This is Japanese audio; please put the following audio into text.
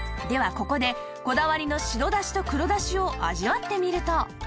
ここでこだわりの白だしと黒だしを味わってみると